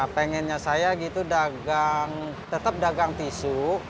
pengennya saya gitu tetap dagang tisu